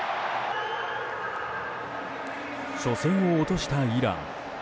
初戦を落としたイラン。